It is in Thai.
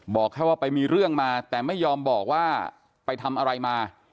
บอกแค่ว่าไปมีเรื่องมาแต่ไม่ยอมบอกว่าไปทำอะไรมา